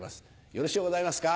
よろしゅうございますか。